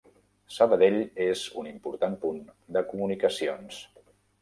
Sabadell és un important punt de comunicacions.